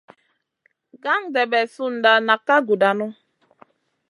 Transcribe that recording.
Gandebe sunda nak ka gudanu.